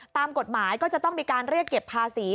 ตามกฎหมายก็จะต้องมีการเรียกเก็บภาษี